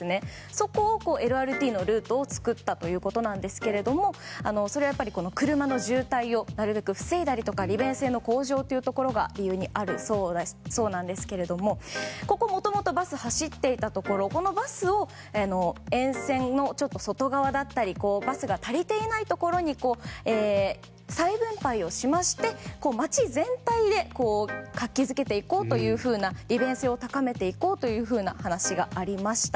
そこでＬＲＴのルートを作ったということですがそれは車の渋滞をなるべく防いだりとか利便性の向上が理由にあるそうなんですがもともとバスが走っていたところそのバスを沿線の外側だったりバスが足りていないところに再分配をしまして街全体で活気づけていこう利便性を高めていこうという話がありました。